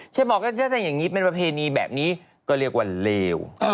บอกว่าถ้าอย่างนี้เป็นประเพณีแบบนี้ก็เรียกว่าเลว